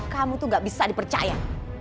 kamu tuh gak bisa dipercaya